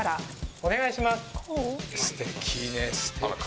お願いします。